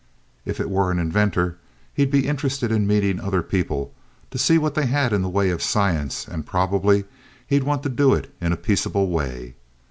If it were an inventor, he'd be interested in meeting other people, to see what they had in the way of science, and probably he'd want to do it in a peaceable way.